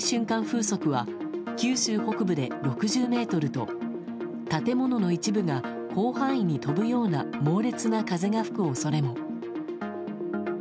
風速は九州北部で６０メートルと建物の一部が広範囲に飛ぶような猛烈な風が吹く恐れも。